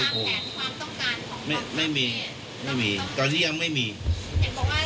แล้วความต้องการที่เหลือ